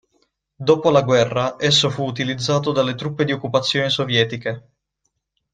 Dopo la guerra esso fu utilizzato dalle truppe di occupazione sovietiche.